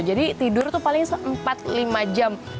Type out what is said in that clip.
jadi tidur tuh paling se empat lima jam